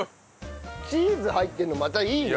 チーズ入ってるのまたいいね！